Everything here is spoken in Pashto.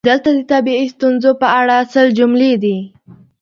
دلته د طبیعي ستونزو په اړه سل جملې دي: